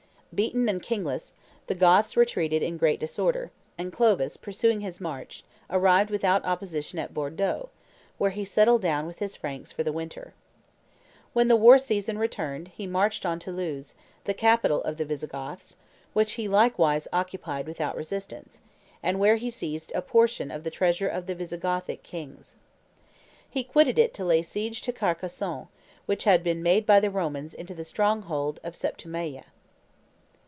Beaten and kingless, the Goths retreated in great disorder; and Clovis, pursuing his march, arrived without opposition at Bordeaux, where he settled down with his Franks for the winter. When the war season returned, he marched on Toulouse, the capital of the Visigoths, which he likewise occupied without resistance, and where he seized a portion of the treasure of the Visigothic kings. He quitted it to lay siege to Carcassonne, which had been made by the Romans into the stronghold of Septimauia.